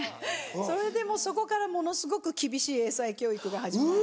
それでもうそこからものすごく厳しい英才教育が始まったんです。